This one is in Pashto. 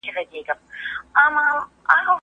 ژوند د فرصتونو سمندر